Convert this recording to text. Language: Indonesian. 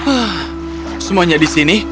haaah semuanya di sini